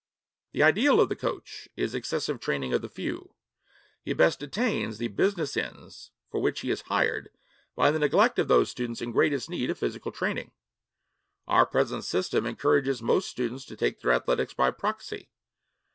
The ideal of the coach is excessive training of the few: he best attains the business ends for which he is hired by the neglect of those students in greatest need of physical training. Our present system encourages most students to take their athletics by proxy.